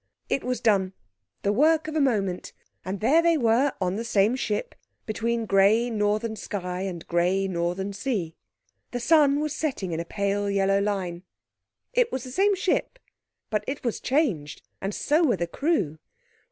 It was done—the work of a moment—and there they were on the same ship, between grey northern sky and grey northern sea. The sun was setting in a pale yellow line. It was the same ship, but it was changed, and so were the crew.